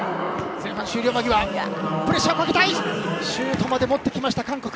シュートまでもってきた韓国。